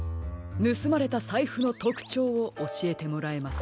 ぬすまれたさいふのとくちょうをおしえてもらえますか。